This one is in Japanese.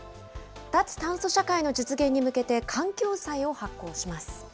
脱炭素社会の実現に向けて、環境債を発行します。